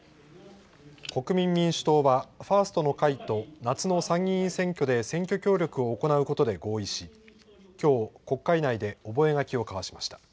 国民民主党は、ファーストの会と夏の参議院選挙で選挙協力を行うことで合意し、きょう、国会内で覚書を交わしました。